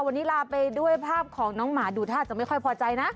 วันนี้ลาไปด้วยภาพของน้องหมาดูท่าจะไม่ค่อยพอใจนะ